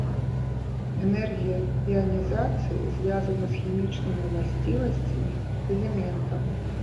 Энергія іанізацыі звязана з хімічнымі ўласцівасцямі элементаў.